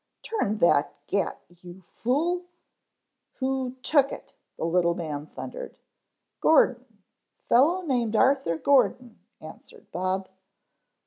"Turn that gat, you fool " "Who took it?" the little man thundered. "Gordon, fellow named Arthur Gordon," answered Bob.